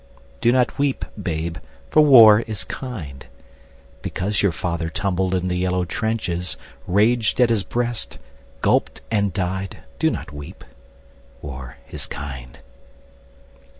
Do not weep, babe, for war is kind. Because your father tumbled in the yellow trenches, Raged at his breast, gulped and died, Do not weep. War is kind.